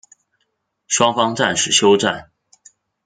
双方暂时休战。